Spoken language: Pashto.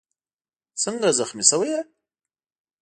څنګه زخمي شوی یې؟